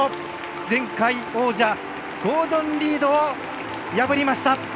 前回王者ゴードン・リードを破りました！